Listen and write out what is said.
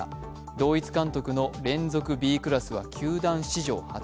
同一監督の連続Ｂクラスは球団史上初。